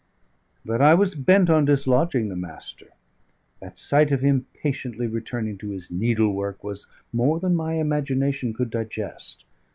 But I was bent on dislodging the Master. That sight of him patiently returning to his needlework was more than my imagination could digest.